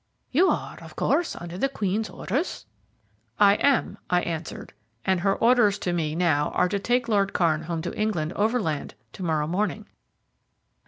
You are, of course, under the Queen's orders?" "I am," I answered, "and her orders to me now are to take Lord Kairn home to England overland to morrow morning."